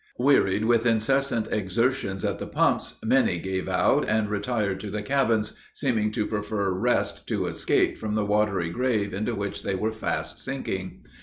Wearied with incessant exertions at the pumps, many gave out and retired to the cabins, seeming to prefer rest to escape from the watery grave into which they were fast sinking.